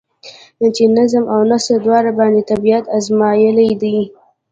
چې نظم او نثر دواړو باندې طبېعت ازمائېلے دے ۔